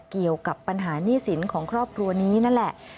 เกี่ยวกับปัญหาหนี้สินของครอบครัวนี้นั่นแหละ